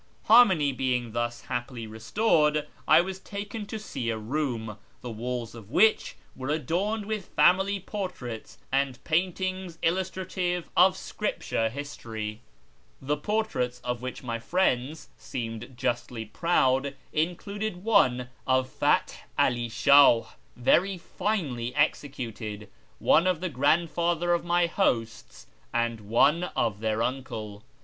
Harmony being thus happily restored, I was taken to see a room, the walls of which were adorned with family portraits and paintings illustrative of scripture history. The portraits, of which my friends seemed justly proud, included one of Path All Shiih, very finely executed ; one of the grandfather of my 'losts; and one of their uncle.